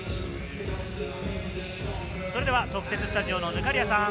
それでは特設スタジオの忽滑谷さん！